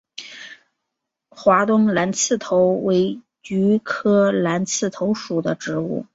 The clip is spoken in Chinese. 华东蓝刺头为菊科蓝刺头属的植物。